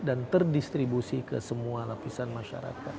dan terdistribusi ke semua lapisan masyarakat